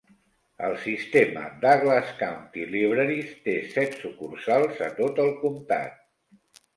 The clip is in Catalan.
El sistema Douglas County Libraries té set sucursals a tot el comtat.